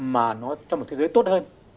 mà nó cho một thế giới tốt hơn